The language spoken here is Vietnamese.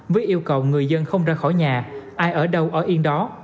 với yêu cầu người dân không ra khỏi nhà ai ở đâu ở yên đó